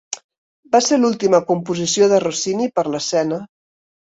Va ser l'última composició de Rossini per a l'escena.